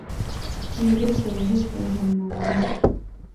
ملګری ته به هېڅکله هم نه وایې